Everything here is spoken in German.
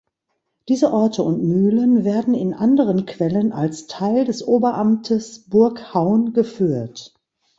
Diese Orte und Mühlen werden in anderen Quellen als Teil des Oberamtes Burghaun geführt.